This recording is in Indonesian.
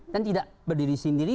dan tidak berdiri sendiri